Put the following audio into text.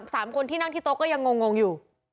สามคนที่นั่งที่โต๊ะก็ยังงงอยู่